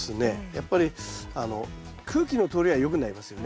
やっぱり空気の通りが良くなりますよね。